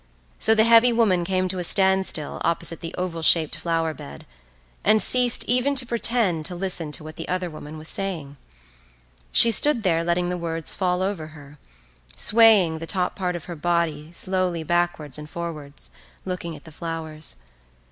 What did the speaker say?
So the heavy woman came to a standstill opposite the oval shaped flower bed, and ceased even to pretend to listen to what the other woman was saying. She stood there letting the words fall over her, swaying the top part of her body slowly backwards and forwards, looking at the flowers.